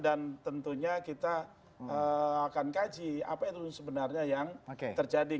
dan tentunya kita akan kaji apa itu sebenarnya yang terjadi